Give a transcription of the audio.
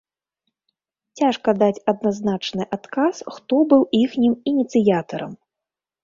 Цяжка даць адназначны адказ, хто быў іхнім ініцыятарам.